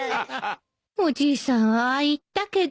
おじいさんはああ言ったけど